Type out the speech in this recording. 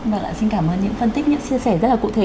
và lại xin cảm ơn những phân tích những chia sẻ rất là cụ thể